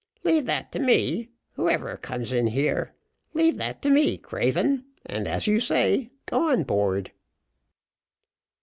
"Leave that to me; who ever comes in here? Leave that to me, craven, and, as you say, go on board."